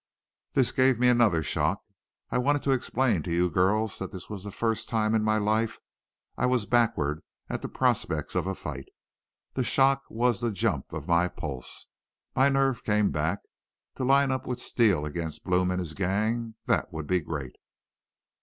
"That gave me another shock. I want to explain to you girls that this was the first time in my life I was backward at the prospects of a fight. The shock was the jump of my pulse. My nerve came back. To line up with Steele against Blome and his gang that would be great!